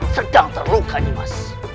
sedang terluka nyimash